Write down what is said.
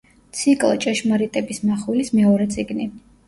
ციკლ „ჭეშმარიტების მახვილის“ მეორე წიგნი.